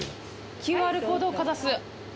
ＱＲコードをかざす。